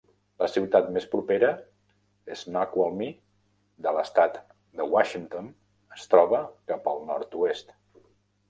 La ciutat més propera, Snoqualmie, de l'estat Washington, es troba cap al nord-oest.